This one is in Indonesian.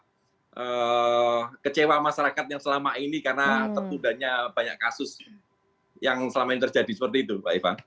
saya tidak kecewa masyarakatnya selama ini karena tertudahnya banyak kasus yang selama ini terjadi seperti itu pak ivan